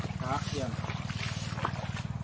ทุกวันใหม่ทุกวันใหม่